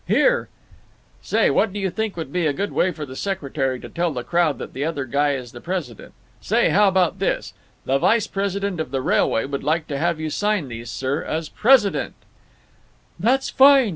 "Here— "Say, what do you think would be a good way for the secretary to tell the crowd that the other guy is the president? Say, how about this: 'The vice president of the railway would like to have you sign these, sir, as president'?" "That's fine!"